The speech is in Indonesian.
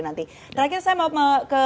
nanti terakhir saya mau ke